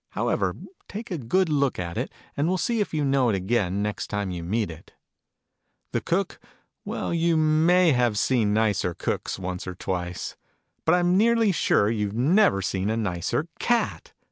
However, take a good look at it, and we'll see if you know it again, next time you meet it ! The Cook well, you may have seen nicer cooks, once or twice. But I m nearly sure you've never seen a nicer Cat!